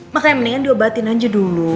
makanya mendingan diobatin aja dulu